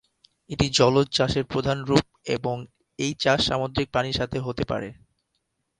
এটি জলজ চাষের প্রধান রূপ এবং এই চাষ সামুদ্রিক প্রাণীর সাথে হতে পারে।